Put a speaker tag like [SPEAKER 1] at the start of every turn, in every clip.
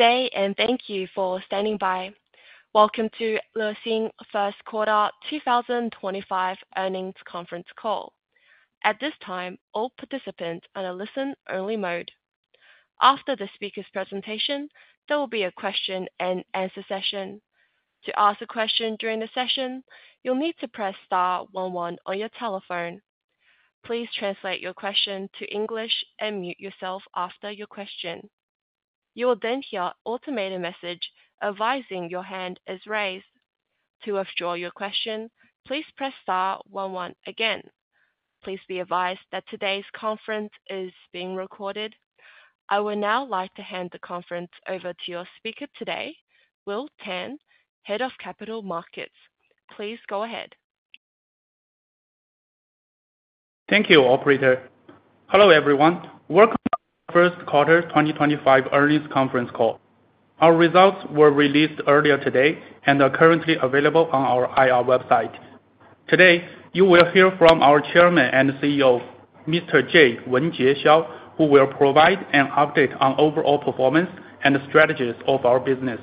[SPEAKER 1] Today, and thank you for standing by. Welcome to Lexin First Quarter 2025 Earnings Conference Call. At this time, all participants are in a listen-only mode. After the speaker's presentation, there will be a question-and-answer session. To ask a question during the session, you'll need to press star one one on your telephone. Please translate your question to English and mute yourself after your question. You will then hear an automated message advising your hand is raised. To withdraw your question, please press star one one again. Please be advised that today's conference is being recorded. I would now like to hand the conference over to your speaker today, Will Tan, Head of Capital Markets. Please go ahead. Thank you, Operator. Hello everyone. Welcome to our First Quarter 2025 earnings conference call. Our results were released earlier today and are currently available on our IR website. Today, you will hear from our Chairman and CEO, Mr. Jay Wenjie Xiao, who will provide an update on overall performance and strategies of our business.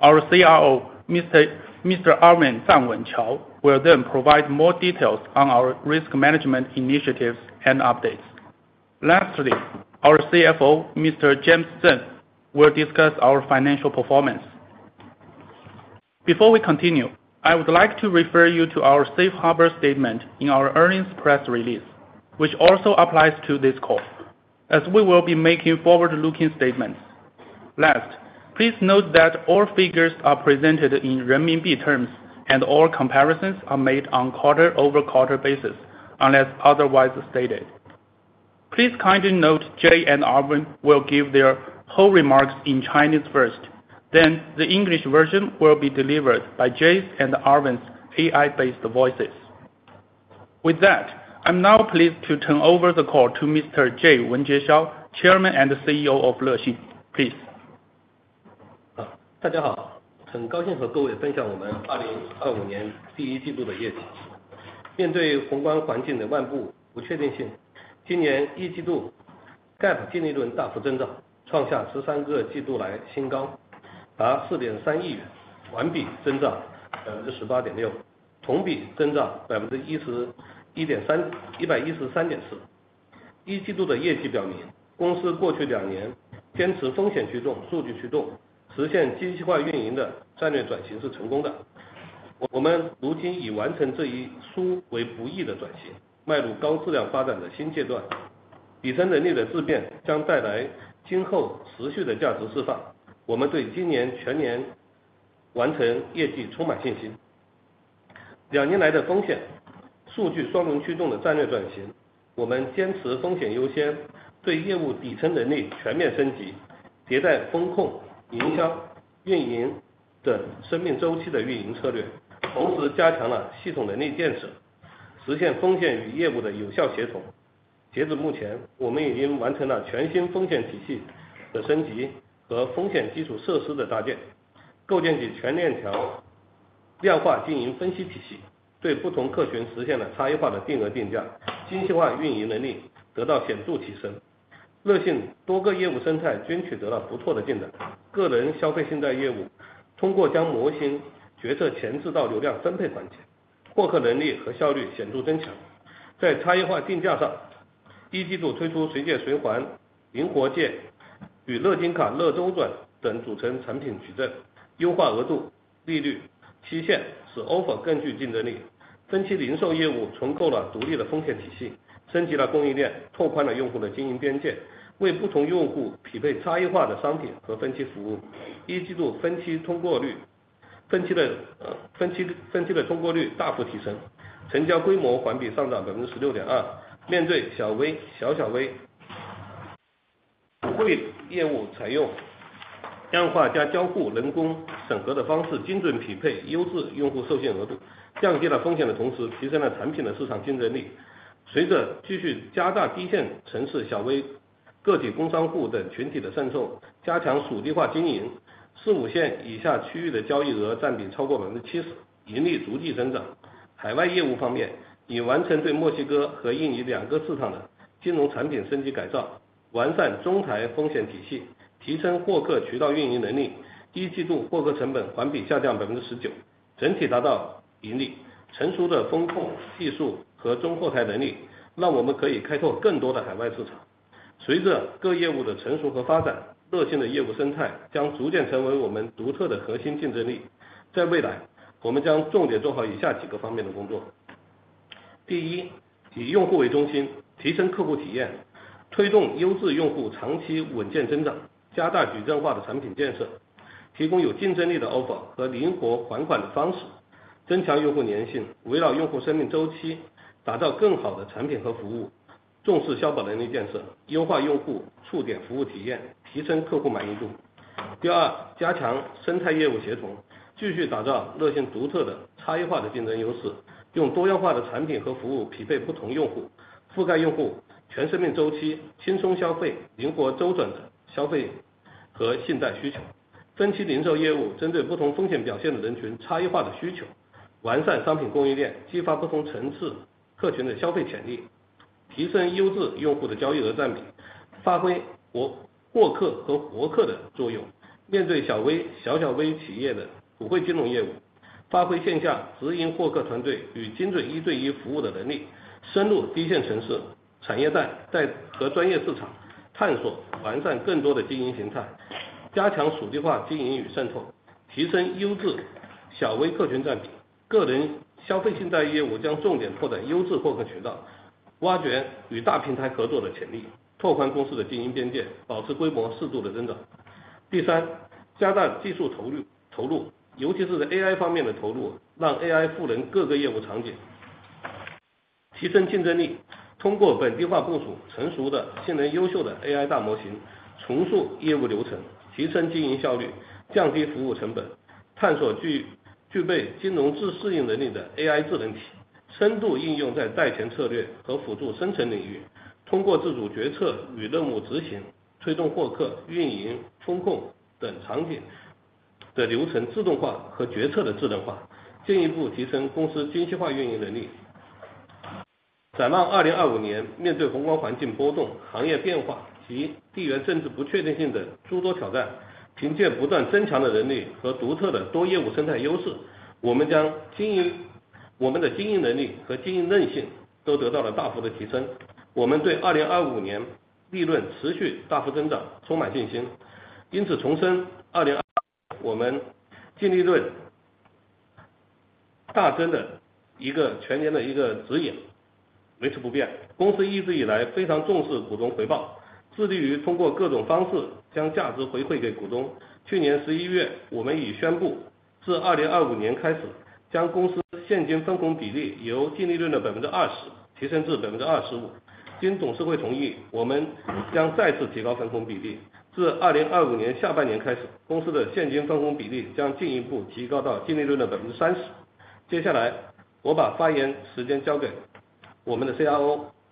[SPEAKER 1] Our CIO, Mr. Arvin Zhanwen Qiao, will then provide more details on our risk management initiatives and updates. Lastly, our CFO, Mr. James Zheng, will discuss our financial performance. Before we continue, I would like to refer you to our Safe Harbor statement in our earnings press release, which also applies to this call, as we will be making forward-looking statements. Last, please note that all figures are presented in RMB terms, and all comparisons are made on quarter-over-quarter basis, unless otherwise stated. Please kindly note Jay and Arvin will give their whole remarks in Chinese first. Then, the English version will be delivered by Jay's and Arvin's AI-based voices. With that, I'm now pleased to turn over the call to Mr. Jay Wenjie Xiao, Chairman and CEO of LexinFintech. Please.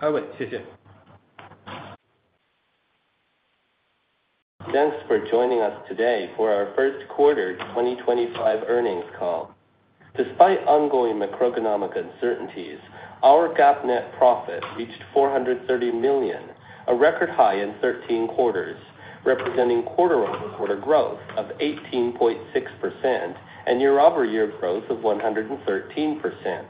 [SPEAKER 2] Erwin，谢谢。Thanks for joining us today for our First Quarter 2025 Earnings Call. Despite ongoing macroeconomic uncertainties, our GAAP net profit reached 430 million, a record high in 13 quarters, representing quarter-over-quarter growth of 18.6% and year-over-year growth of 113%.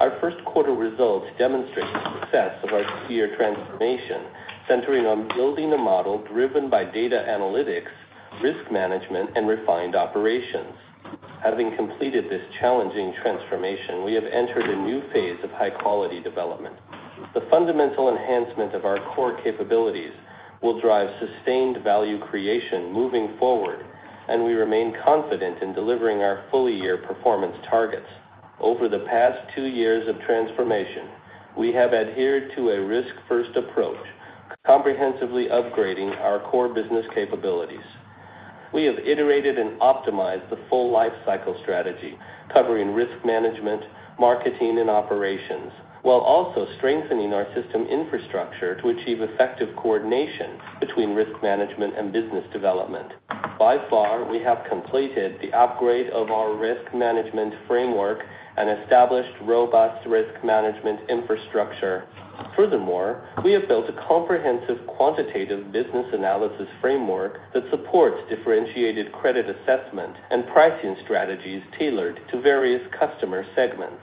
[SPEAKER 2] Our first quarter results demonstrate the success of our two-year transformation, centering on building a model driven by data analytics, risk management, and refined operations. Having completed this challenging transformation, we have entered a new phase of high-quality development. The fundamental enhancement of our core capabilities will drive sustained value creation moving forward, and we remain confident in delivering our full-year performance targets. Over the past two years of transformation, we have adhered to a risk-first approach, comprehensively upgrading our core business capabilities. We have iterated and optimized the full lifecycle strategy, covering risk management, marketing, and operations, while also strengthening our system infrastructure to achieve effective coordination between risk management and business development. By far, we have completed the upgrade of our risk management framework and established robust risk management infrastructure. Furthermore, we have built a comprehensive quantitative business analysis framework that supports differentiated credit assessment and pricing strategies tailored to various customer segments.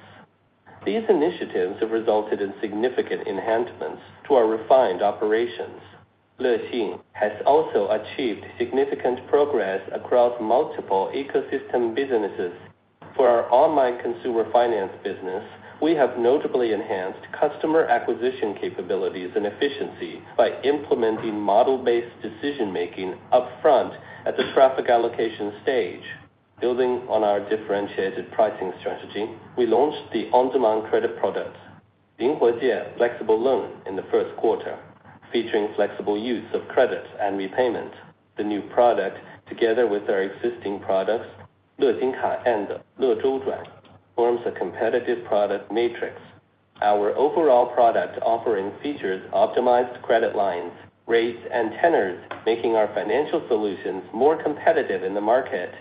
[SPEAKER 2] These initiatives have resulted in significant enhancements to our refined operations. Lexin has also achieved significant progress across multiple ecosystem businesses. For our online consumer finance business, we have notably enhanced customer acquisition capabilities and efficiency by implementing model-based decision-making upfront at the traffic allocation stage. Building on our differentiated pricing strategy, we launched the on-demand credit product Linghuo Jie Flexible Loan in the first quarter, featuring flexible use of credit and repayment. The new product, together with our existing products Linghuo Jie and Linghuo Zhou Zhuan, forms a competitive product matrix. Our overall product offering features optimized credit lines, rates, and tenors, making our financial solutions more competitive in the market.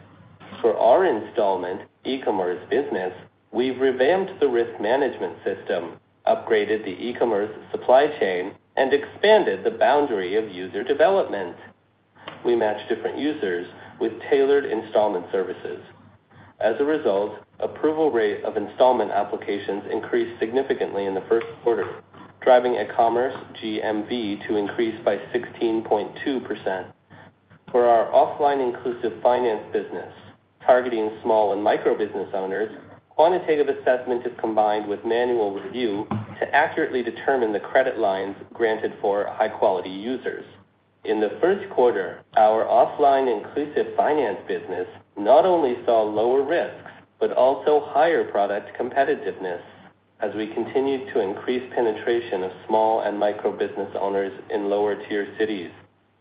[SPEAKER 2] For our installment e-commerce business, we've revamped the risk management system, upgraded the e-commerce supply chain, and expanded the boundary of user development. We match different users with tailored installment services. As a result, approval rate of installment applications increased significantly in the first quarter, driving e-commerce GMV to increase by 16.2%. For our offline-inclusive finance business, targeting small and micro business owners, quantitative assessment is combined with manual review to accurately determine the credit lines granted for high-quality users. In the first quarter, our offline-inclusive finance business not only saw lower risks but also higher product competitiveness as we continued to increase penetration of small and micro business owners in lower-tier cities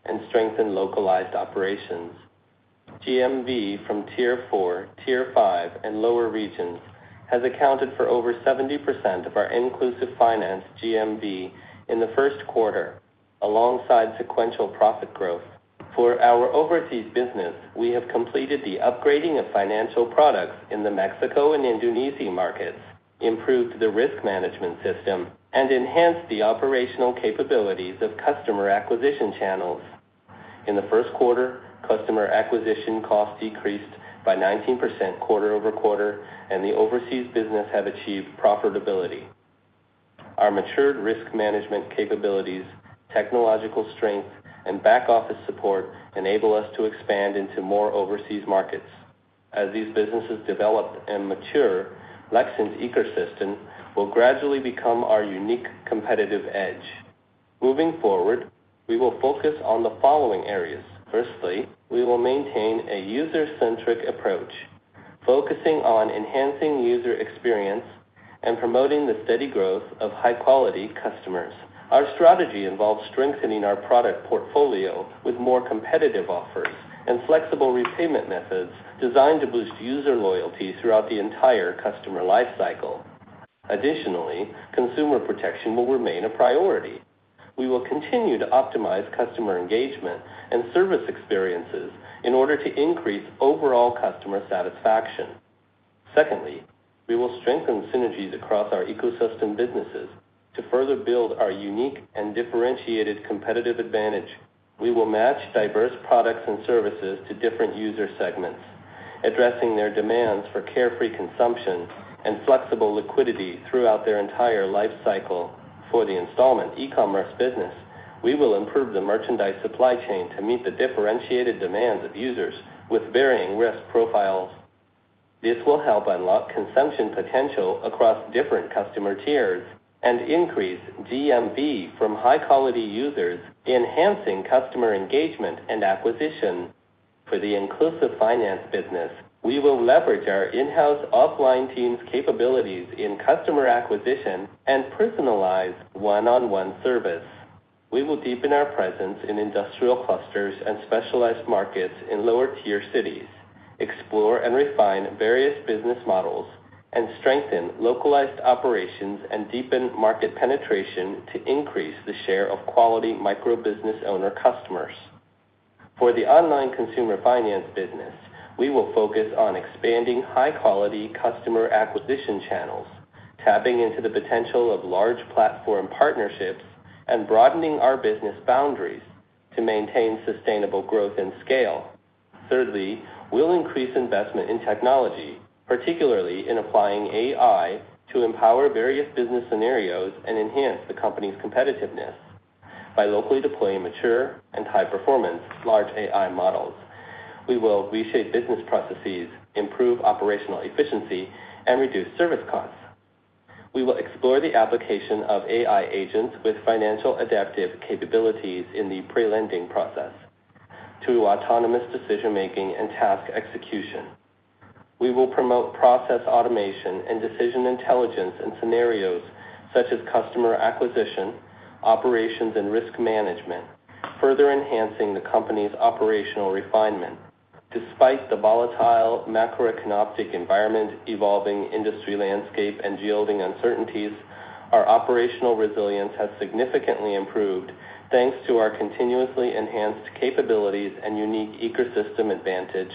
[SPEAKER 2] and strengthen localized operations. GMV from tier four, tier five, and lower regions has accounted for over 70% of our inclusive finance GMV in the first quarter, alongside sequential profit growth. For our overseas business, we have completed the upgrading of financial products in the Mexico and Indonesia markets, improved the risk management system, and enhanced the operational capabilities of customer acquisition channels. In the first quarter, customer acquisition cost decreased by 19% quarter over quarter, and the overseas business has achieved profitability. Our matured risk management capabilities, technological strength, and back-office support enable us to expand into more overseas markets. As these businesses develop and mature, Lexin's ecosystem will gradually become our unique competitive edge. Moving forward, we will focus on the following areas. Firstly, we will maintain a user-centric approach, focusing on enhancing user experience and promoting the steady growth of high-quality customers. Our strategy involves strengthening our product portfolio with more competitive offers and flexible repayment methods designed to boost user loyalty throughout the entire customer lifecycle. Additionally, consumer protection will remain a priority. We will continue to optimize customer engagement and service experiences in order to increase overall customer satisfaction. Secondly, we will strengthen synergies across our ecosystem businesses to further build our unique and differentiated competitive advantage. We will match diverse products and services to different user segments, addressing their demands for carefree consumption and flexible liquidity throughout their entire lifecycle. For the installment e-commerce business, we will improve the merchandise supply chain to meet the differentiated demands of users with varying risk profiles. This will help unlock consumption potential across different customer tiers and increase GMV from high-quality users, enhancing customer engagement and acquisition. For the inclusive finance business, we will leverage our in-house offline teams' capabilities in customer acquisition and personalized one-on-one service. We will deepen our presence in industrial clusters and specialized markets in lower-tier cities, explore and refine various business models, and strengthen localized operations and deepen market penetration to increase the share of quality micro business owner customers. For the online consumer finance business, we will focus on expanding high-quality customer acquisition channels, tapping into the potential of large platform partnerships and broadening our business boundaries to maintain sustainable growth and scale. Thirdly, we'll increase investment in technology, particularly in applying AI to empower various business scenarios and enhance the company's competitiveness. By locally deploying mature and high-performance large AI models, we will reshape business processes, improve operational efficiency, and reduce service costs. We will explore the application of AI agents with financial adaptive capabilities in the pre-lending process through autonomous decision-making and task execution. We will promote process automation and decision intelligence in scenarios such as customer acquisition, operations, and risk management, further enhancing the company's operational refinement. Despite the volatile macroeconomic environment, evolving industry landscape, and yielding uncertainties, our operational resilience has significantly improved thanks to our continuously enhanced capabilities and unique ecosystem advantage.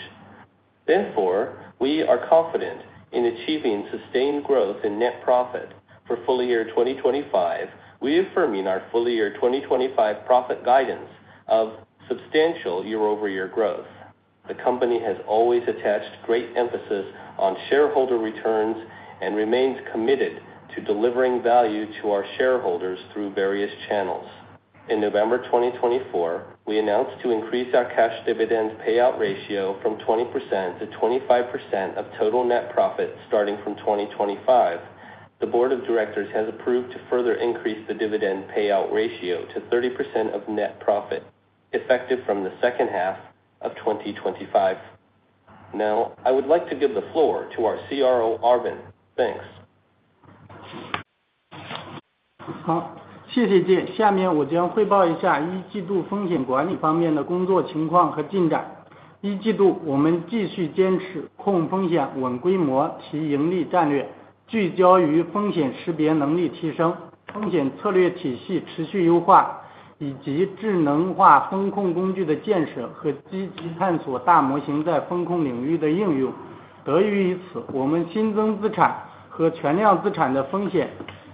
[SPEAKER 2] Therefore, we are confident in achieving sustained growth in net profit. For full year 2025, we are firming our full year 2025 profit guidance of substantial year-over-year growth. The company has always attached great emphasis on shareholder returns and remains committed to delivering value to our shareholders through various channels. In November 2024, we announced to increase our cash dividend payout ratio from 20% to 25% of total net profit starting from 2025. The Board of Directors has approved to further increase the dividend payout ratio to 30% of net profit effective from the second half of 2025. Now, I would like to give the floor to our CRO, Arvin. Thanks.
[SPEAKER 3] 好，谢谢 Jay。下面我将汇报一下一季度风险管理方面的工作情况和进展。一季度，我们继续坚持控风险、稳规模、提盈利战略，聚焦于风险识别能力提升、风险策略体系持续优化，以及智能化风控工具的建设和积极探索大模型在风控领域的应用。得益于此，我们新增资产和全量资产的风险一季度继续保持下降趋势，环比2024年四季度，一季度新增资产 FPD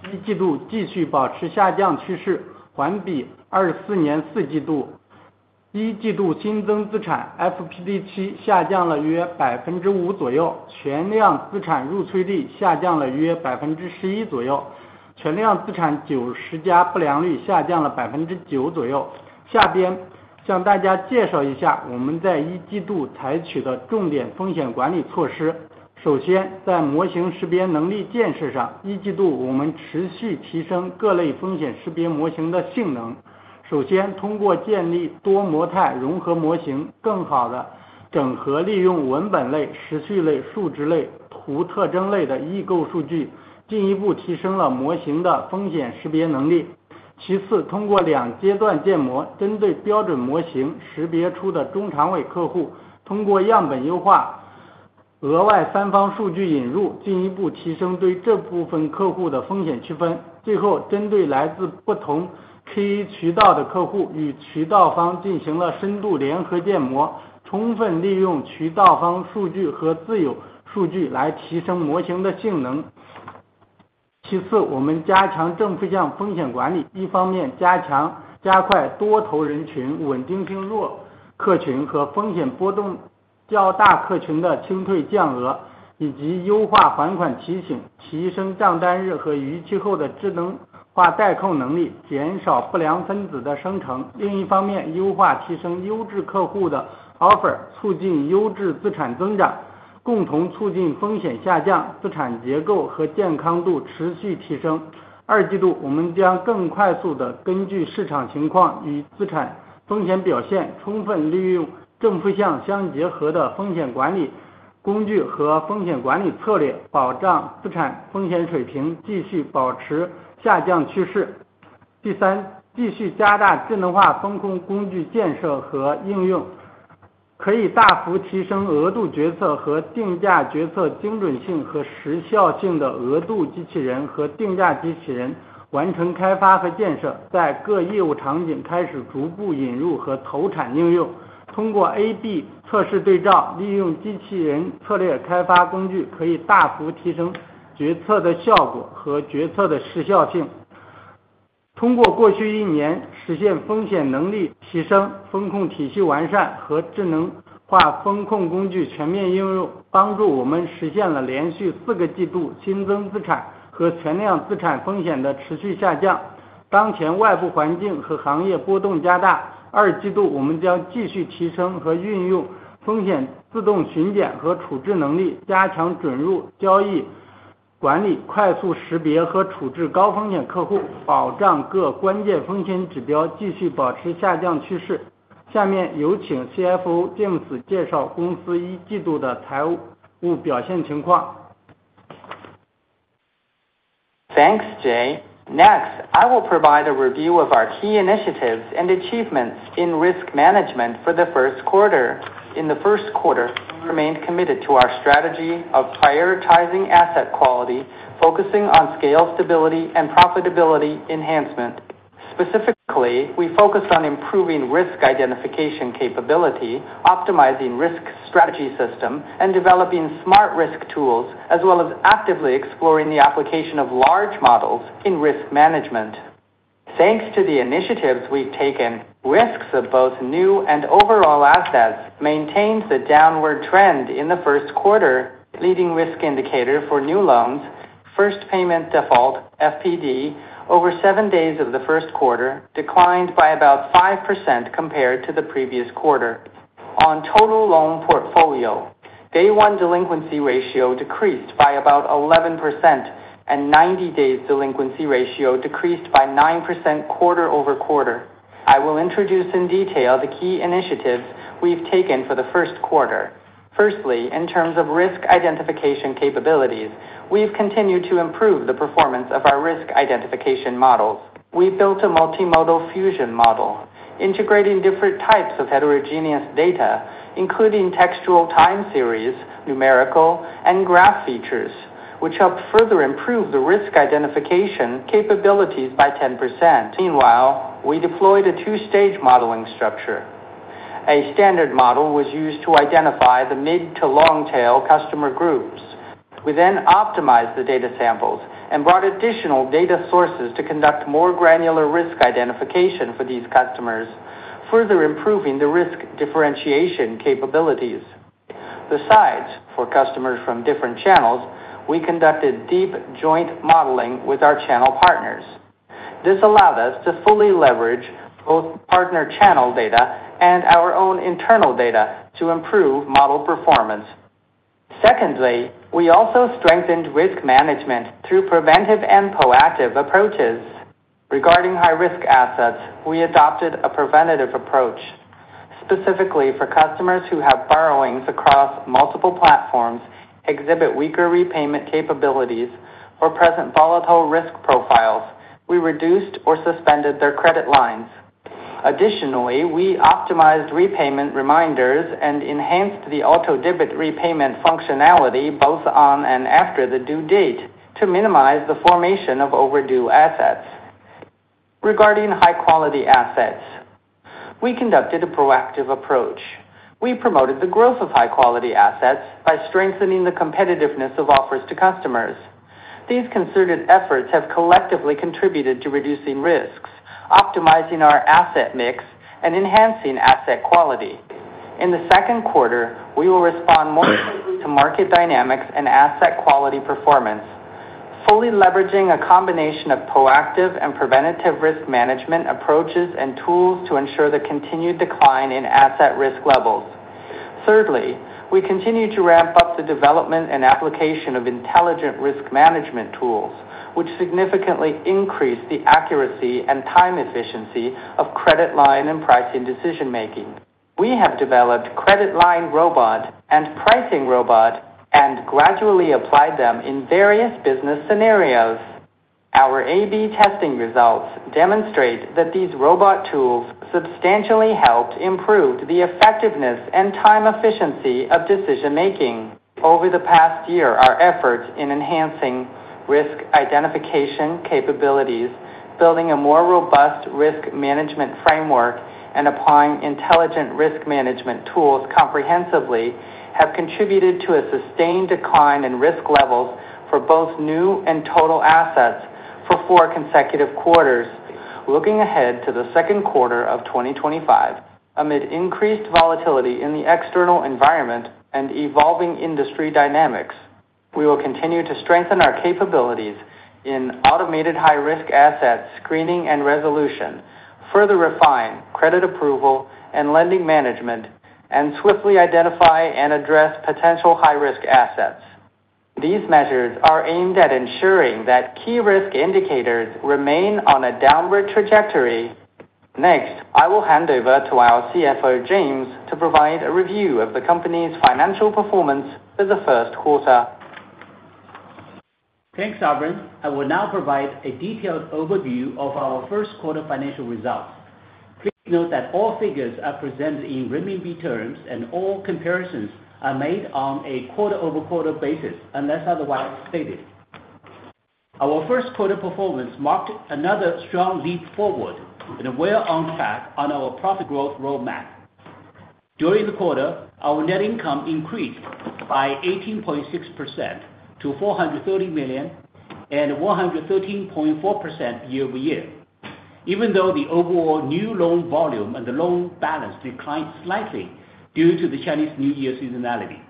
[SPEAKER 3] K 渠道的客户与渠道方进行了深度联合建模，充分利用渠道方数据和自有数据来提升模型的性能。其次，我们加强正负向风险管理，一方面加强加快多头人群、稳定性弱客群和风险波动较大客群的清退降额，以及优化还款提醒，提升账单日和逾期后的智能化代扣能力，减少不良分子的生成。另一方面，优化提升优质客户的 offer，促进优质资产增长，共同促进风险下降，资产结构和健康度持续提升。二季度，我们将更快速地根据市场情况与资产风险表现，充分利用正负向相结合的风险管理工具和风险管理策略，保障资产风险水平继续保持下降趋势。第三，继续加大智能化风控工具建设和应用，可以大幅提升额度决策和定价决策精准性和时效性的额度机器人和定价机器人，完成开发和建设。在各业务场景开始逐步引入和投产应用，通过 A/B 测试对照，利用机器人策略开发工具，可以大幅提升决策的效果和决策的时效性。通过过去一年实现风险能力提升、风控体系完善和智能化风控工具全面应用，帮助我们实现了连续四个季度新增资产和全量资产风险的持续下降。当前外部环境和行业波动加大，二季度我们将继续提升和运用风险自动巡检和处置能力，加强准入交易管理，快速识别和处置高风险客户，保障各关键风险指标继续保持下降趋势。下面有请 CFO 镜子介绍公司一季度的财务表现情况。Thanks, Jay. Next, I will provide a review of our key initiatives and achievements in risk management for the first quarter. In the first quarter, we remained committed to our strategy of prioritizing asset quality, focusing on scale stability and profitability enhancement. Specifically, we focused on improving risk identification capability, optimizing risk strategy system, and developing smart risk tools, as well as actively exploring the application of large models in risk management. Thanks to the initiatives we've taken, risks of both new and overall assets maintained the downward trend in the first quarter, leading risk indicator for new loans, first payment default, FPD, over seven days of the first quarter, declined by about 5% compared to the previous quarter. On total loan portfolio, day one delinquency ratio decreased by about 11% and 90-day delinquency ratio decreased by 9% quarter over quarter. I will introduce in detail the key initiatives we've taken for the first quarter. Firstly, in terms of risk identification capabilities, we've continued to improve the performance of our risk identification models. We built a multimodal fusion model, integrating different types of heterogeneous data, including textual time series, numerical, and graph features, which helped further improve the risk identification capabilities by 10%. Meanwhile, we deployed a two-stage modeling structure. A standard model was used to identify the mid to long-tail customer groups. We then optimized the data samples and brought additional data sources to conduct more granular risk identification for these customers further improving the risk differentiation capabilities. Besides, for customers from different channels, we conducted deep joint modeling with our channel partners. This allowed us to fully leverage both partner channel data and our own internal data to improve model performance. Secondly, we also strengthened risk management through preventive and proactive approaches. Regarding high-risk assets, we adopted a preventative approach specifically, for customers who have borrowings across multiple platforms, exhibit weaker repayment capabilities, or present volatile risk profiles, we reduced or suspended their credit lines. Additionally, we optimized repayment reminders and enhanced the auto-debit repayment functionality both on and after the due date to minimize the formation of overdue assets. Regarding high-quality assets, we conducted a proactive approach. We promoted the growth of high-quality assets by strengthening the competitiveness of offers to customers. These concerted efforts have collectively contributed to reducing risks, optimizing our asset mix, and enhancing asset quality. In the second quarter, we will respond more closely to market dynamics and asset quality performance, fully leveraging a combination of proactive and preventative risk management approaches and tools to ensure the continued decline in asset risk levels. Thirdly, we continue to ramp up the development and application of intelligent risk management tools, which significantly increase the accuracy and time efficiency of credit line and pricing decision-making. We have developed credit line robot and pricing robot and gradually applied them in various business scenarios. Our A/B testing results demonstrate that these robot tools substantially helped improve the effectiveness and time efficiency of decision-making. Over the past year, our efforts in enhancing risk identification capabilities, building a more robust risk management framework, and applying intelligent risk management tools comprehensively have contributed to a sustained decline in risk levels for both new and total assets for four consecutive quarters. Looking ahead to the second quarter of 2025, amid increased volatility in the external environment and evolving industry dynamics, we will continue to strengthen our capabilities in automated high-risk asset screening and resolution, further refine credit approval and lending management, and swiftly identify and address potential high-risk assets. These measures are aimed at ensuring that key risk indicators remain on a downward trajectory. Next, I will hand over to our CFO, James, to provide a review of the company's financial performance for the first quarter.
[SPEAKER 4] Thanks, Arvin. I will now provide a detailed overview of our first quarter financial results. Please note that all figures are presented in RMB terms and all comparisons are made on a quarter-over-quarter basis unless otherwise stated. Our first quarter performance marked another strong leap forward and are well-on track on our profit growth roadmap. During the quarter, our net income increased by 18.6% to 430 million and 113.4% year-over-year, even though the overall new loan volume and the loan balance declined slightly due to the Chinese New Year seasonality.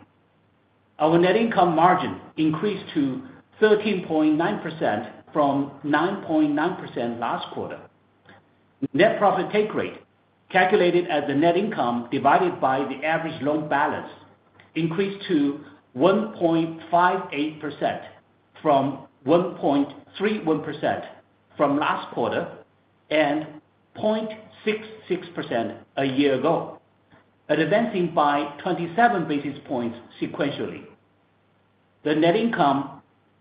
[SPEAKER 4] Our net income margin increased to 13.9% from 9.9% last quarter. Net profit take rate, calculated as the net income divided by the average loan balance, increased to 1.58% from 1.31% from last quarter and 0.66% a year ago and advancing by 27 basis points sequentially. The net income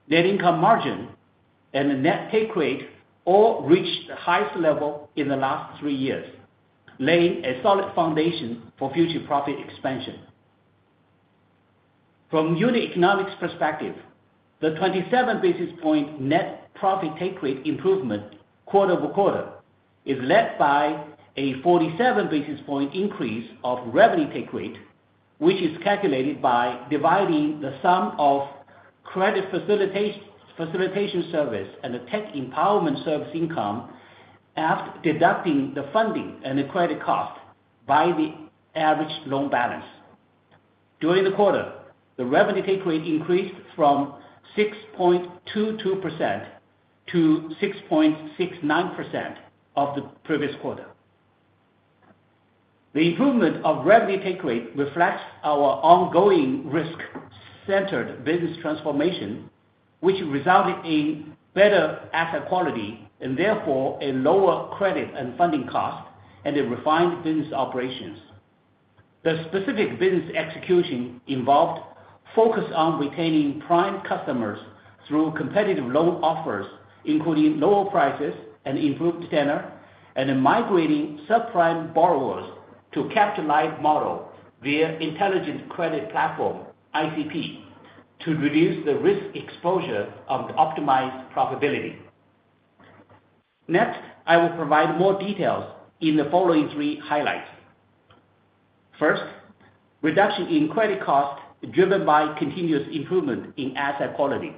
[SPEAKER 4] margin and the net take rate all reached the highest level in the last three years, laying a solid foundation for future profit expansion. From a unit economics perspective, the 27 basis point net profit take rate improvement quarter over quarter is led by a 47 basis point increase of revenue take rate, which is calculated by dividing the sum of credit facilitation service and the tech empowerment service income after deducting the funding and the credit cost by the average loan balance. During the quarter, the revenue take rate increased from 6.22% to 6.69% of the previous quarter. The improvement of revenue take rate reflects our ongoing risk-centered business transformation, which resulted in better asset quality and therefore a lower credit and funding cost and a refined business operations. The specific business execution involved focus on retaining prime customers through competitive loan offers, including lower prices and improved tenor, and a migrating subprime borrowers to capture live model via intelligent credit platform, ICP, to reduce the risk exposure on the optimized profitability. Next, I will provide more details in the following three highlights. First, reduction in credit cost driven by continuous improvement in asset quality.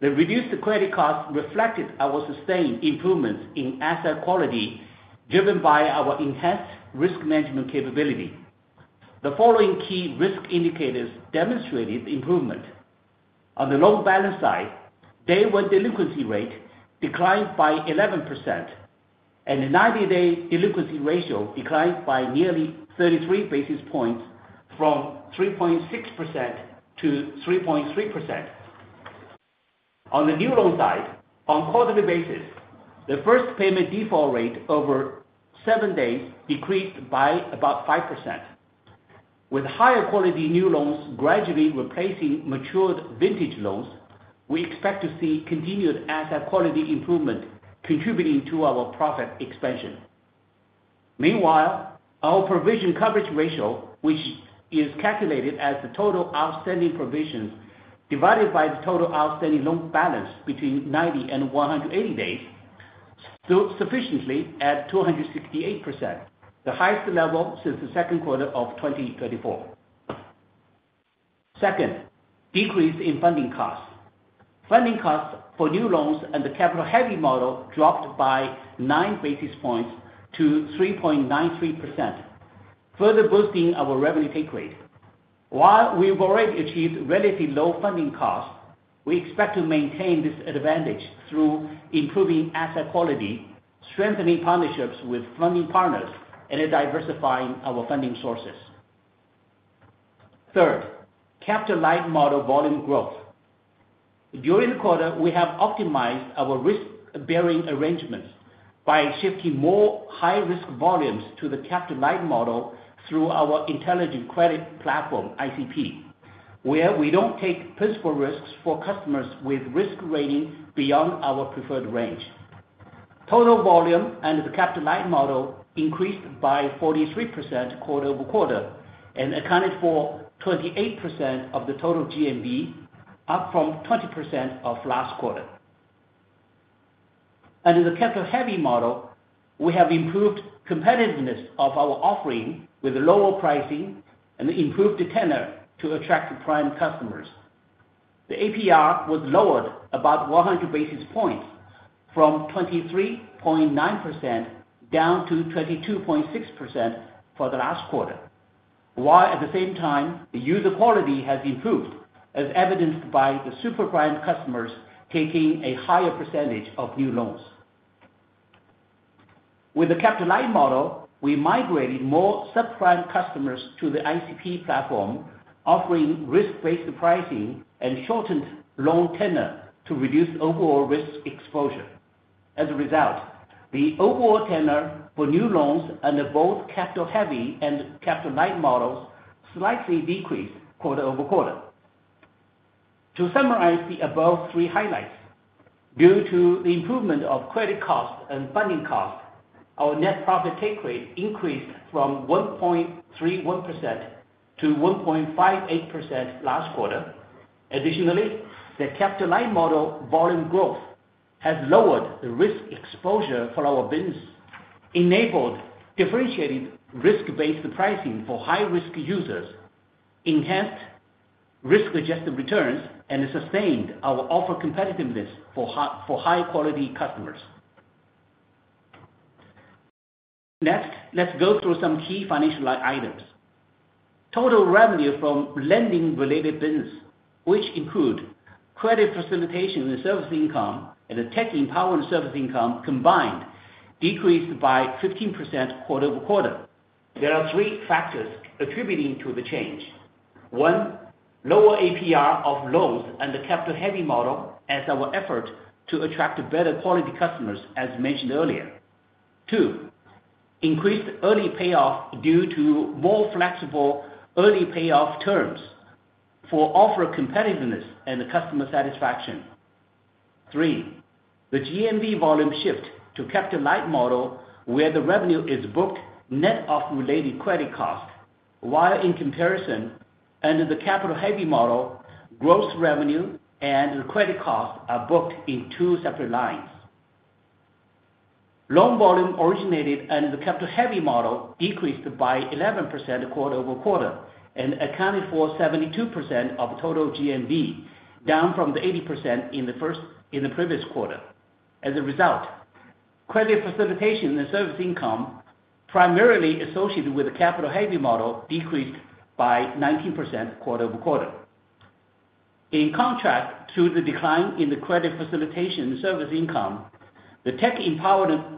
[SPEAKER 4] The reduced credit cost reflected our sustained improvements in asset quality driven by our enhanced risk management capability. The following key risk indicators demonstrated improvement. On the loan balance side, day one delinquency rate declined by 11% and the 90-day delinquency ratio declined by nearly 33 basis points from 3.6% to 3.3%. On the new loan side, on quarterly basis, the first payment default rate over seven days decreased by about 5%. With higher quality new loans gradually replacing matured vintage loans, we expect to see continued asset quality improvement contributing to our profit expansion. Meanwhile, our provision coverage ratio, which is calculated as the total outstanding provisions divided by the total outstanding loan balance between 90 and 180 days, stood sufficiently at 268%, the highest level since the second quarter of 2024. Second, decrease in funding costs. Funding costs for new loans and the capital-heavy model dropped by 9 basis points to 3.93%, further boosting our revenue take rate. While we've already achieved relatively low funding costs, we expect to maintain this advantage through improving asset quality, strengthening partnerships with funding partners, and diversifying our funding sources. Third, capital-light model volume growth. During the quarter, we have optimized our risk-bearing arrangements by shifting more high-risk volumes to the capital-light model through our intelligent credit platform, ICP, where we don't take principal risks for customers with risk rating beyond our preferred range. Total volume and the capital-light model increased by 43% quarter over quarter and accounted for 28% of the total GMV, up from 20% of last quarter. Under the capital-heavy model, we have improved competitiveness of our offering with lower pricing and improved the tenor to attract prime customers. The APR was lowered about 100 basis points from 23.9% down to 22.6% for the last quarter, while at the same time, the user quality has improved, as evidenced by the super prime customers taking a higher percentage of new loans. With the capital-light model, we migrated more subprime customers to the ICP platform, offering risk-based pricing and shortened loan tenor to reduce overall risk exposure. As a result, the overall tenor for new loans under both capital-heavy and capital-light models slightly decreased quarter over quarter. To summarize the above three highlights, due to the improvement of credit cost and funding cost, our net profit take rate increased from 1.31% to 1.58% last quarter. Additionally, the capital-light model volume growth has lowered the risk exposure for our business, enabled differentiated risk-based pricing for high-risk users, enhanced risk-adjusted returns, and sustained our offer competitiveness for high-quality customers. Next, let's go through some key financial items. Total revenue from lending-related business, which includes credit facilitation in the service income and the tech empowerment service income combined, decreased by 15% quarter over quarter. There are three factors attributing to the change. One, lower APR of loans under the capital-heavy model as our effort to attract better quality customers, as mentioned earlier. Two, increased early payoff due to more flexible early payoff terms for offer competitiveness and customer satisfaction. Three, the GMV volume shift to capital-light model where the revenue is booked net of related credit cost, while in comparison under the capital-heavy model, gross revenue and the credit cost are booked in two separate lines. Loan volume originated under the capital-heavy model decreased by 11% quarter over quarter and accounted for 72% of total GMV, down from 80% in the previous quarter. As a result, credit facilitation and service income primarily associated with the capital-heavy model decreased by 19% quarter over quarter. In contrast to the decline in the credit facilitation and service income, the tech empowerment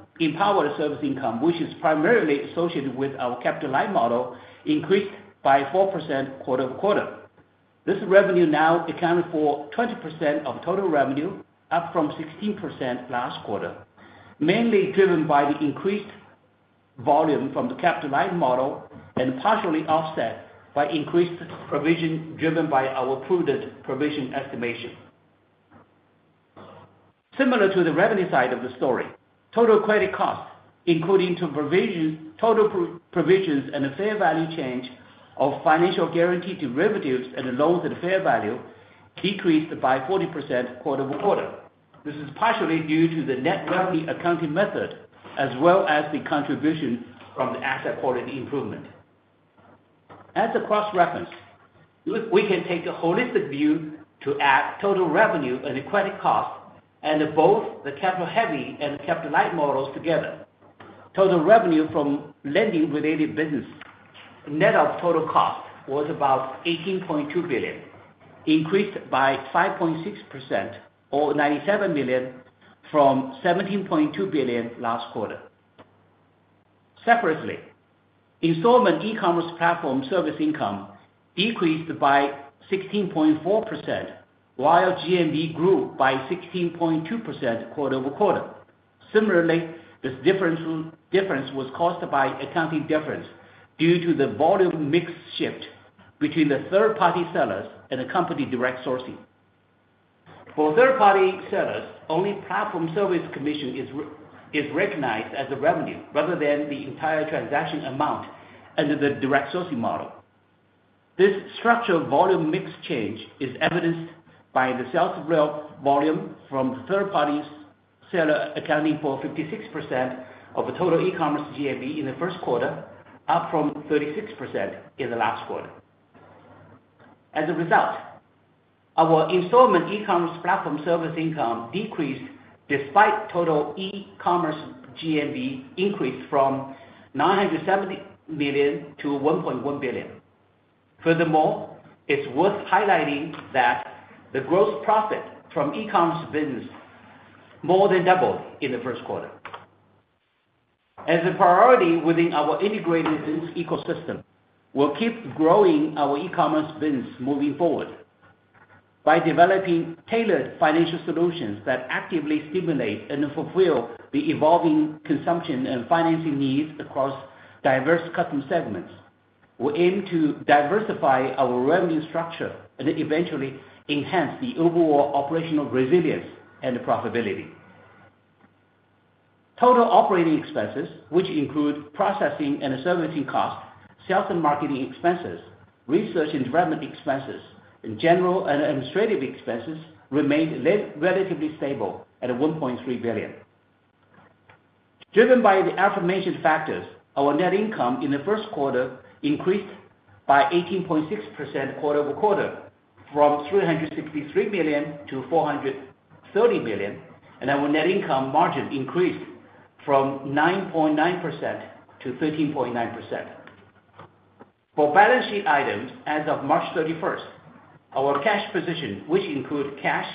[SPEAKER 4] service income, which is primarily associated with our capital-light model, increased by 4% quarter over quarter. This revenue now accounted for 20% of total revenue, up from 16% last quarter, mainly driven by the increased volume from the capital-light model and partially offset by increased provision driven by our prudent provision estimation. Similar to the revenue side of the story, total credit cost, including total provisions and the fair value change of financial guarantee derivatives and the loans at fair value, decreased by 40% quarter over quarter. This is partially due to the net revenue accounting method as well as the contribution from the asset quality improvement. As a cross-reference, we can take a holistic view to add total revenue and the credit cost and both the capital-heavy and the capital-light models together. Total revenue from lending-related business, net of total cost, was about 18.2 billion, increased by 5.6% or 970 million from 17.2 billion last quarter. Separately, installment e-commerce platform service income decreased by 16.4%, while GMV grew by 16.2% quarter over quarter. Similarly, this difference was caused by accounting difference due to the volume mix shift between the third-party sellers and the company direct sourcing. For third-party sellers, only platform service commission is recognized as the revenue rather than the entire transaction amount under the direct sourcing model. This structural volume mix change is evidenced by the sales growth volume from third-party seller accounting for 56% of total e-commerce GMV in the first quarter, up from 36% in the last quarter. As a result, our installment e-commerce platform service income decreased despite total e-commerce GMV increase from 970 million to 1.1 billion. Furthermore, it's worth highlighting that the gross profit from e-commerce business more than doubled in the first quarter. As a priority within our integrated business ecosystem, we'll keep growing our e-commerce business moving forward by developing tailored financial solutions that actively stimulate and fulfill the evolving consumption and financing needs across diverse customer segments. We aim to diversify our revenue structure and eventually enhance the overall operational resilience and profitability. Total operating expenses, which include processing and servicing costs, sales and marketing expenses, research and development expenses, and general and administrative expenses, remained relatively stable at 1.3 billion. Driven by the aforementioned factors, our net income in the first quarter increased by 18.6% quarter over quarter from 363 million to 430 million, and our net income margin increased from 9.9% to 13.9%. For balance sheet items, as of March 31, our cash position, which includes cash,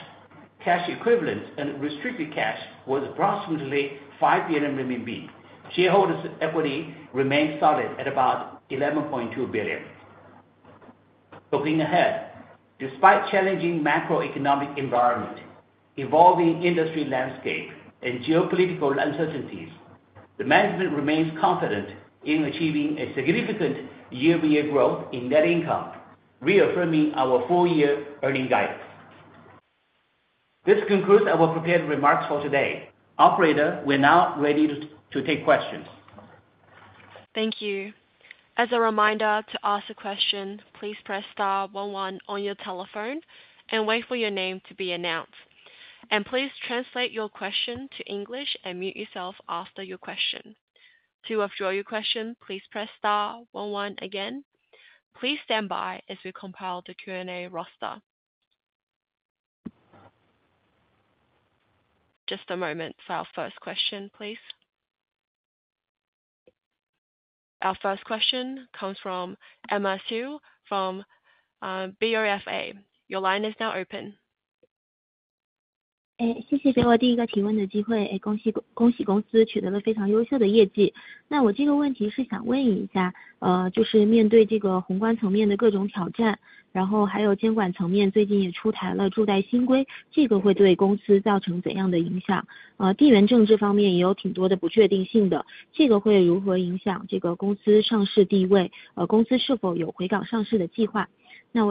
[SPEAKER 4] cash equivalents, and restricted cash, was approximately 5 billion RMB. Shareholders' equity remained solid at about 11.2 billion. Looking ahead, despite challenging macroeconomic environment, evolving industry landscape, and geopolitical uncertainties, the management remains confident in achieving a significant year-over-year growth in net income, reaffirming our four-year earning guidance. This concludes our prepared remarks for today. Operator, we are now ready to take questions.
[SPEAKER 1] Thank you. As a reminder to ask a question, please press star one one on your telephone and wait for your name to be announced. Please translate your question to English and mute yourself after your question. To withdraw your question, please press star one one again. Please stand by as we compile the Q&A roster. Just a moment for our first question, please. Our first question comes from Emma Xiu, from Bank of America. Your line is now open.
[SPEAKER 5] So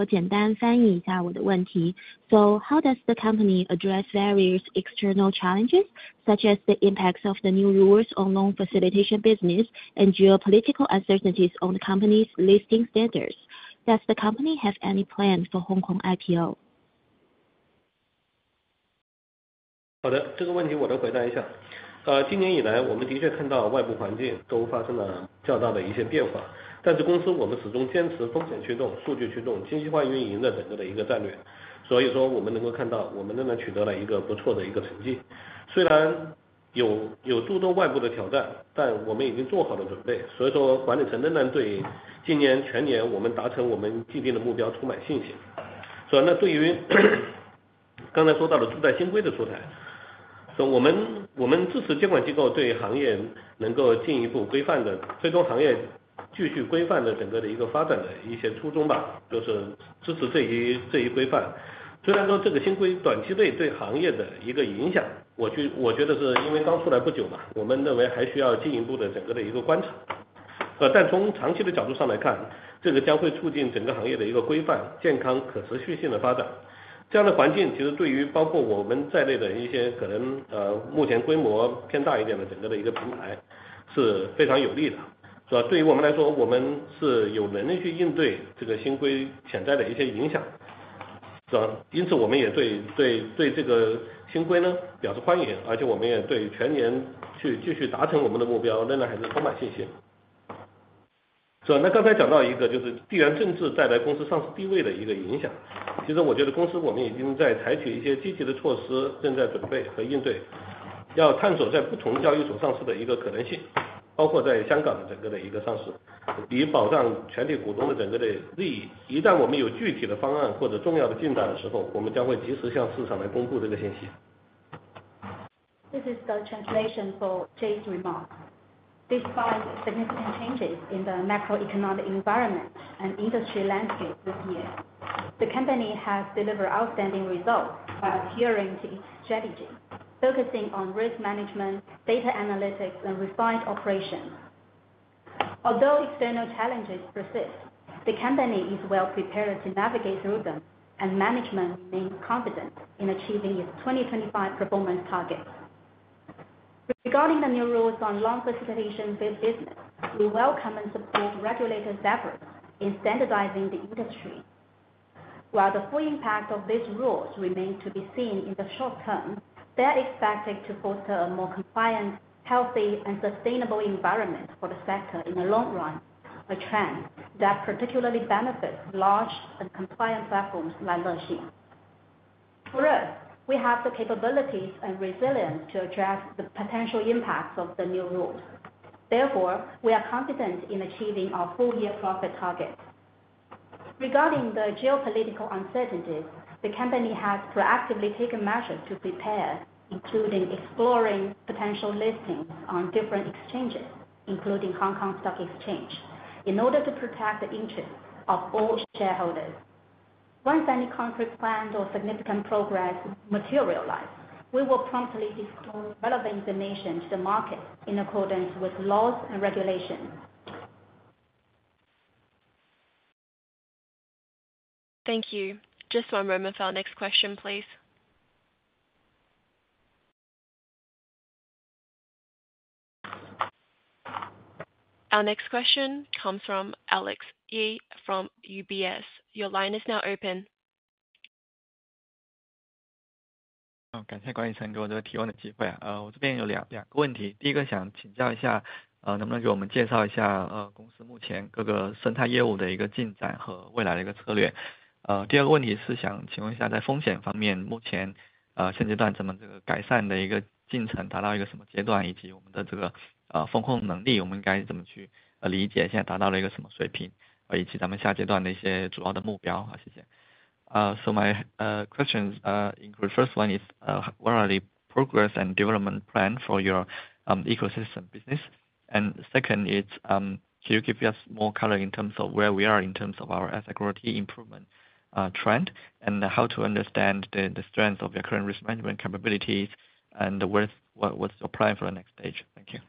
[SPEAKER 5] how does the company address various external challenges, such as the impact of the new rules on loan facilitation business and geopolitical uncertainties on the company's listing standards? Does the company have any plans for Hong Kong IPO?
[SPEAKER 3] This is the translation for Jay's remarks.
[SPEAKER 6] Despite significant changes in the macroeconomic environment and industry landscape this year, the company has delivered outstanding results by adhering to its strategy, focusing on risk management, data analytics, and refined operations. Although external challenges persist, the company is well prepared to navigate through them, and management remains confident in achieving its 2025 performance targets. Regarding the new rules on loan facilitation business, we welcome and support regulator's efforts in standardizing the industry. While the full impact of these rules remains to be seen in the short term, they are expected to foster a more compliant, healthy, and sustainable environment for the sector in the long run, a trend that particularly benefits large and compliant platforms like Lexin. For us, we have the capabilities and resilience to address the potential impacts of the new rules. Therefore, we are confident in achieving our full-year profit target. Regarding the geopolitical uncertainties, the company has proactively taken measures to prepare, including exploring potential listings on different exchanges, including Hong Kong Stock Exchange, in order to protect the interests of all shareholders. Once any concrete plan or significant progress materializes, we will promptly disclose relevant information to the market in accordance with laws and regulations.
[SPEAKER 1] Thank you. Just one moment for our next question, please. Our next question comes from Alex Yi from UBS. Your line is now open.
[SPEAKER 7] 感谢关于陈哥提问的机会。我这边有两个问题。第一个想请教一下，能不能给我们介绍一下公司目前各个生态业务的一个进展和未来的一个策略。第二个问题是想请问一下，在风险方面，目前现阶段咱们改善的一个进程达到一个什么阶段，以及我们的风控能力，我们应该怎么去理解一下达到了一个什么水平，以及咱们下阶段的一些主要的目标。谢谢。So my questions include: first one is what are the progress and development plan for your ecosystem business? And second is, can you give us more color in terms of where we are in terms of our asset quality improvement trend, and how to understand the strengths of your current risk management capabilities, and what's your plan for the next stage? Thank you.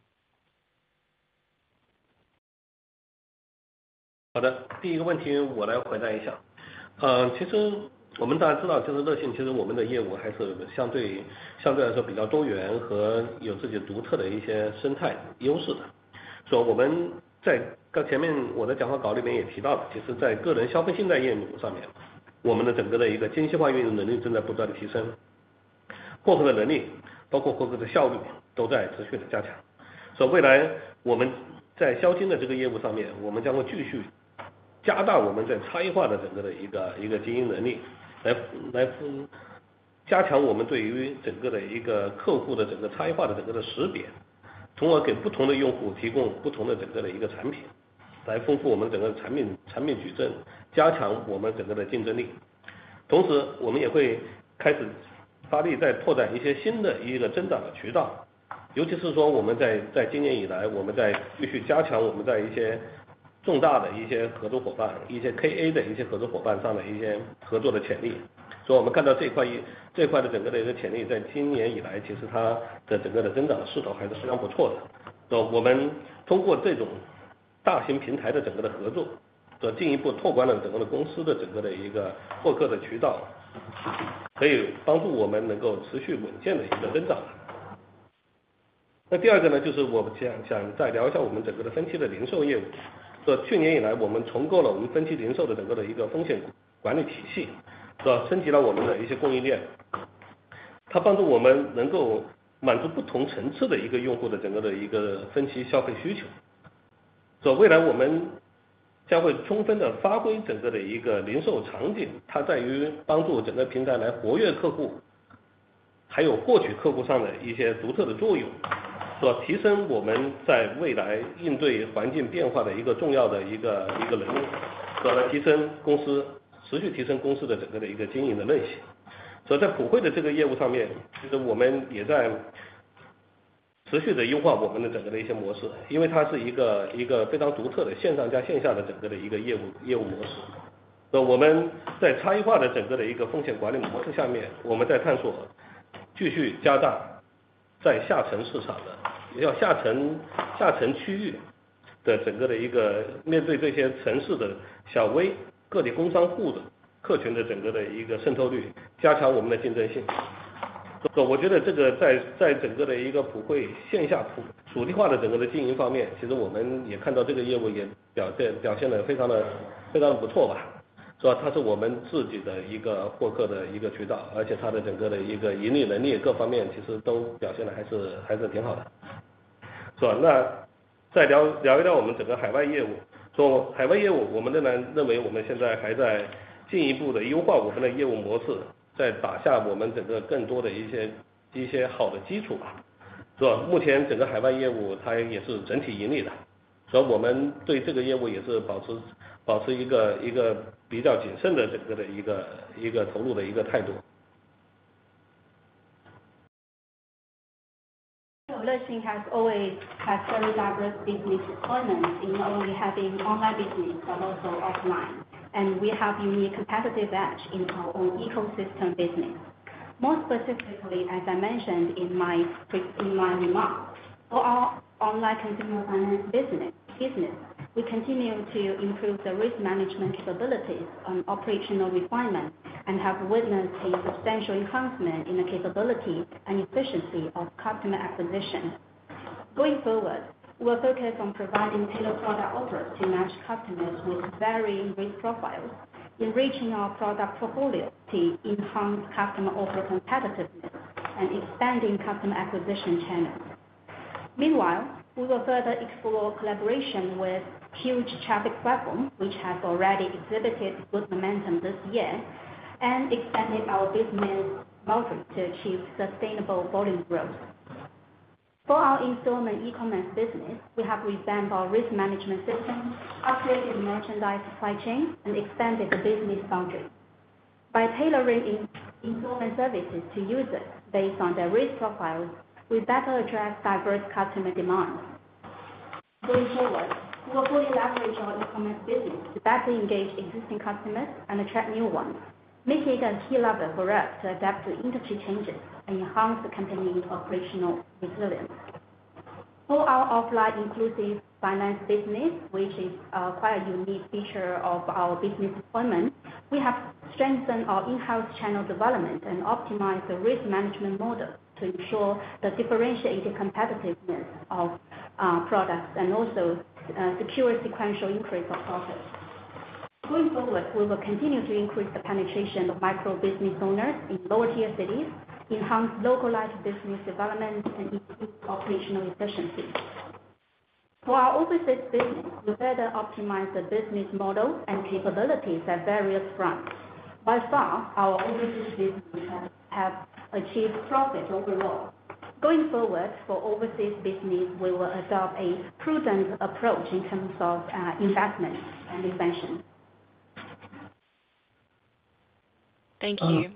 [SPEAKER 6] Lexin has always had very diverse business deployments in not only having online business but also offline, and we have unique competitive edge in our own ecosystem business. More specifically, as I mentioned in my remarks, for our online consumer finance business, we continue to improve the risk management capabilities and operational refinement, and have witnessed a substantial enhancement in the capability and efficiency of customer acquisition. Going forward, we'll focus on providing tailored product offers to match customers with varying risk profiles, enriching our product portfolio to enhance customer offer competitiveness, and expanding customer acquisition channels. Meanwhile, we will further explore collaboration with huge traffic platforms, which have already exhibited good momentum this year, and expanding our business model to achieve sustainable volume growth. For our installment e-commerce business, we have revamped our risk management system, upgraded merchandise supply chain, and expanded the business boundaries. By tailoring installment services to users based on their risk profiles, we better address diverse customer demands. Going forward, we will fully leverage our e-commerce business to better engage existing customers and attract new ones, making it a key lever for us to adapt to industry changes and enhance the company's operational resilience. For our offline inclusive finance business, which is quite a unique feature of our business deployment, we have strengthened our in-house channel development and optimized the risk management model to ensure the differentiated competitiveness of products and also secure sequential increase of profits. Going forward, we will continue to increase the penetration of micro business owners in lower-tier cities, enhance localized business development, and improve operational efficiency. For our overseas business, we better optimize the business model and capabilities at various fronts. By far, our overseas business has achieved profit overall. Going forward, for overseas business, we will adopt a prudent approach in terms of investment and expansion.
[SPEAKER 1] Thank you.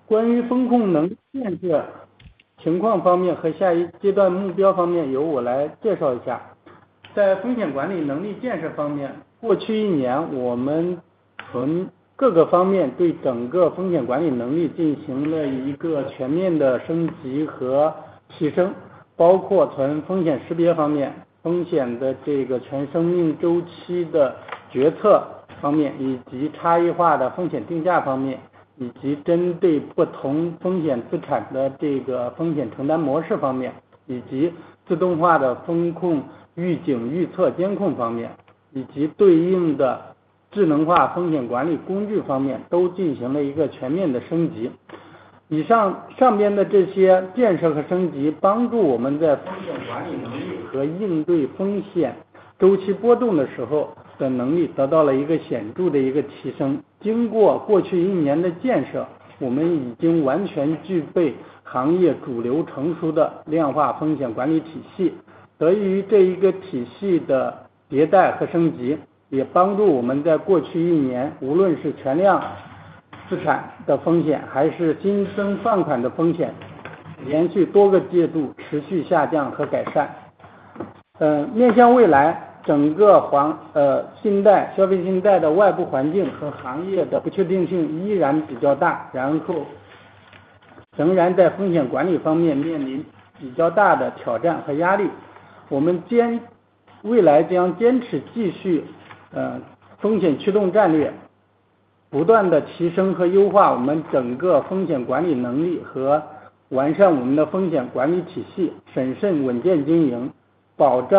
[SPEAKER 1] Over the past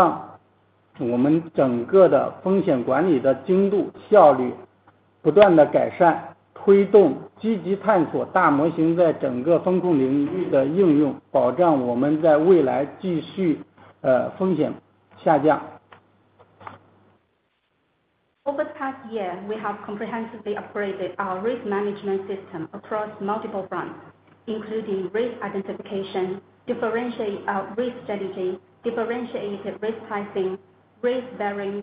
[SPEAKER 1] year, we have comprehensively upgraded our risk management system across multiple fronts, including risk identification, differentiated risk strategy, differentiated risk pricing, risk bearing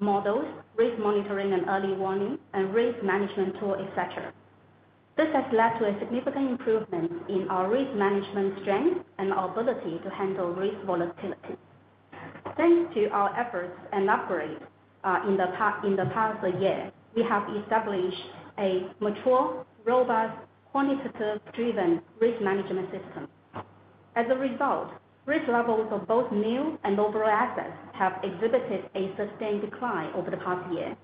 [SPEAKER 1] models, risk monitoring and early warning, and risk management tool, et cetera. This has led to a significant improvement in our risk management strength and our ability to handle risk volatility. Thanks to our efforts and upgrades in the past year, we have established a mature, robust, quantitative-driven risk management system. As a result, risk levels of both new and overall assets have exhibited a sustained decline over the past year.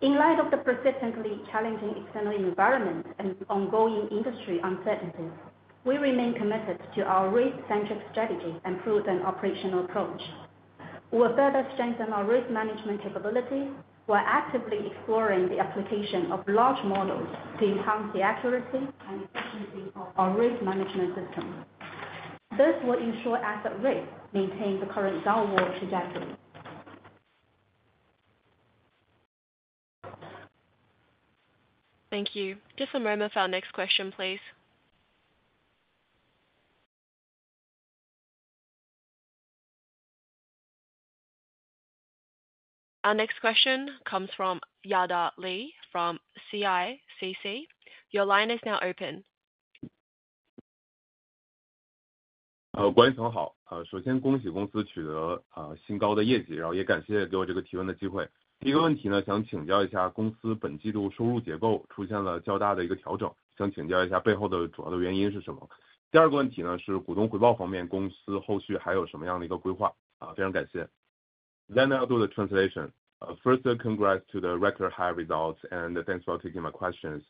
[SPEAKER 1] In light of the persistently challenging external environment and ongoing industry uncertainties, we remain committed to our risk-centric strategy and prudent operational approach. We will further strengthen our risk management capabilities while actively exploring the application of large models to enhance the accuracy and efficiency of our risk management system. This will ensure asset risk maintains the current downward trajectory. Thank you. Just a moment for our next question, please. Our next question comes from Yada Li from CICC. Your line is now open.
[SPEAKER 8] 各位同好，首先恭喜公司取得新高的业绩，也感谢给我这个提问的机会。第一个问题想请教一下，公司本季度收入结构出现了较大的一个调整，想请教一下背后的主要的原因是什么？第二个问题是股东回报方面，公司后续还有什么样的一个规划？非常感谢。Then I'll do the translation. First, congrats to the record high results and thanks for taking my questions.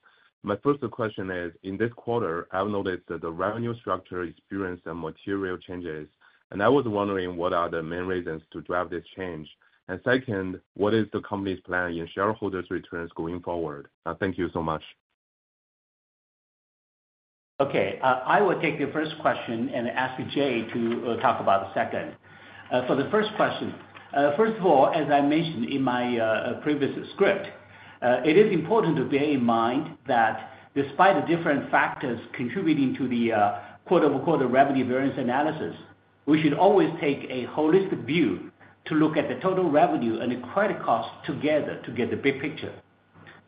[SPEAKER 8] My first question is, in this quarter, I've noticed that the revenue structure experienced some material changes, and I was wondering what are the main reasons to drive this change? Second, what is the company's plan in shareholders' returns going forward? Thank you so much.
[SPEAKER 4] Okay. I will take the first question and ask Jay to talk about the second. For the first question, first of all, as I mentioned in my previous script, it is important to bear in mind that despite the different factors contributing to the quarter over quarter revenue variance analysis, we should always take a holistic view to look at the total revenue and the credit cost together to get the big picture.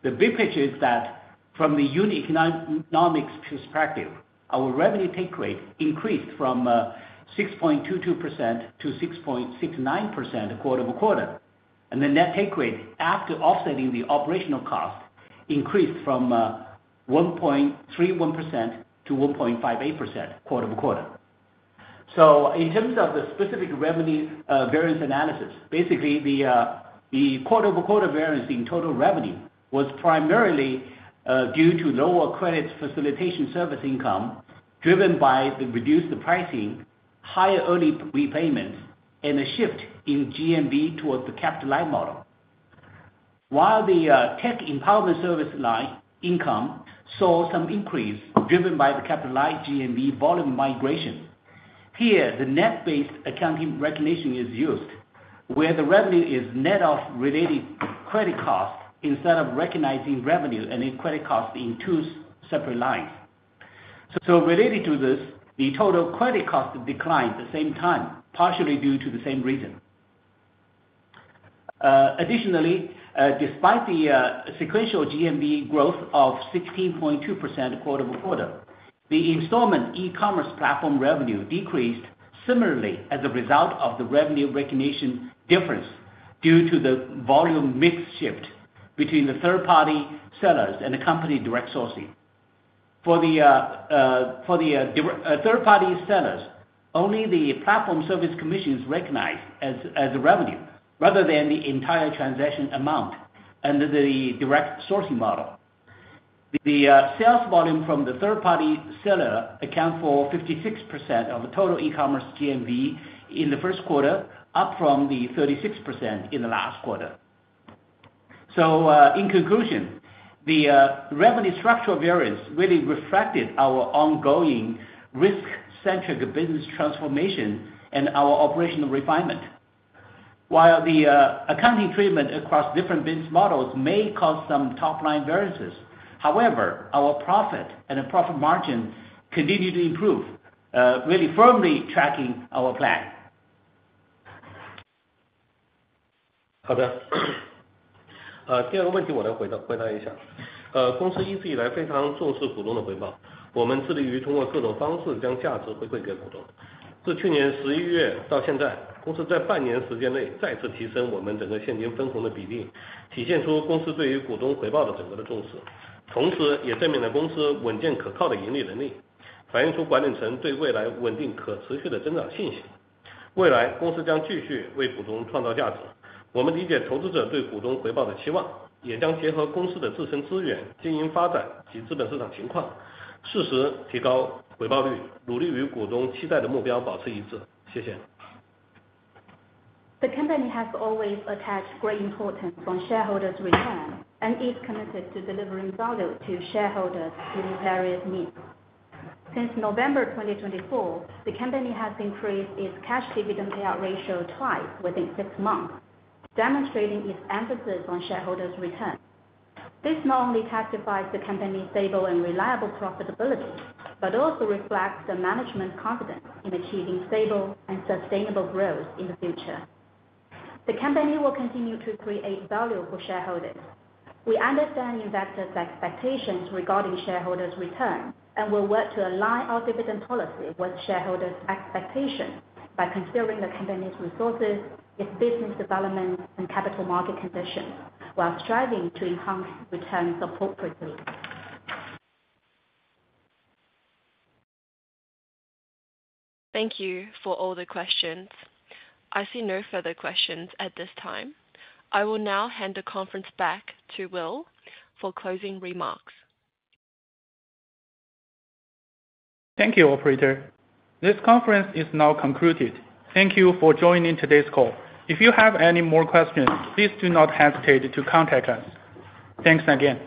[SPEAKER 4] The big picture is that from the unit economics perspective, our revenue take rate increased from 6.22% to 6.69% quarter over quarter, and the net take rate after offsetting the operational cost increased from 1.31% to 1.58% quarter over quarter. In terms of the specific revenue variance analysis, basically, the quarter over quarter variance in total revenue was primarily due to lower credit facilitation service income driven by the reduced pricing, higher early repayments, and a shift in GMV towards the capital-light model. While the tech empowerment service line income saw some increase driven by the capital-light GMV volume migration, here the net-based accounting recognition is used, where the revenue is net of related credit costs instead of recognizing revenue and credit costs in two separate lines. Related to this, the total credit cost declined at the same time, partially due to the same reason. Additionally, despite the sequential GMV growth of 16.2% quarter to quarter, the installment e-commerce platform revenue decreased similarly as a result of the revenue recognition difference due to the volume mix shift between the third-party sellers and the company direct sourcing. For the third-party sellers, only the platform service commissions recognized as revenue rather than the entire transaction amount under the direct sourcing model. The sales volume from the third-party seller accounted for 56% of the total e-commerce GMV in the first quarter, up from 36% in the last quarter. In conclusion, the revenue structural variance really reflected our ongoing risk-centric business transformation and our operational refinement. While the accounting treatment across different business models may cause some top-line variances however our profit and profit margin continued to improve, really firmly tracking our plan.
[SPEAKER 6] The company has always attached great importance on shareholders' returns and is committed to delivering value to shareholders through various means. Since November 2024, the company has increased its cash dividend payout ratio twice within six months, demonstrating its emphasis on shareholders' return. This not only testifies to the company's stable and reliable profitability but also reflects the management's confidence in achieving stable and sustainable growth in the future. The company will continue to create value for shareholders. We understand investors' expectations regarding shareholders' returns and will work to align our dividend policy with shareholders' expectations by considering the company's resources, its business development, and capital market conditions while striving to enhance returns appropriately.
[SPEAKER 1] Thank you for all the questions. I see no further questions at this time. I will now hand the conference back to Will for closing remarks.
[SPEAKER 2] Thank you, Operator. This conference is now concluded. Thank you for joining today's call. If you have any more questions, please do not hesitate to contact us. Thanks again.